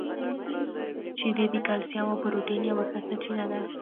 • شیدې د کلسیم او پروټین یوه ښه سرچینه ده.